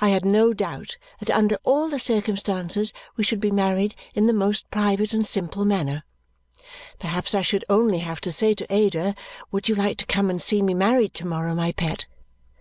I had no doubt that under all the circumstances we should be married in the most private and simple manner. Perhaps I should only have to say to Ada, "Would you like to come and see me married to morrow, my pet?"